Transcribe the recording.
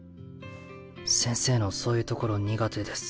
先生のそういうところ苦手です。